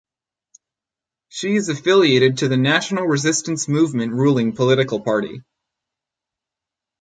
She is affiliated to the National Resistance Movement ruling political party.